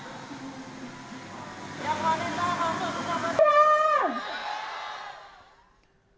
yang paling tahu langsung mencabut